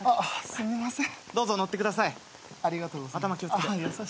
すみません。